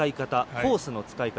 コースの使い方